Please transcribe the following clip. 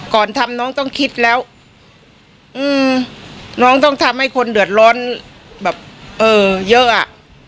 ก่อนทำน้องต้องคิดแล้วอืมน้องต้องทำให้คนเดือดร้อนแบบเออเยอะอ่ะ